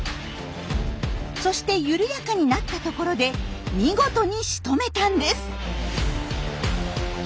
そして緩やかになった所で見事にしとめたんです。